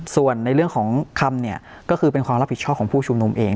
ส่วนในเรื่องของคำเนี่ยก็คือเป็นความรับผิดชอบของผู้ชุมนุมเอง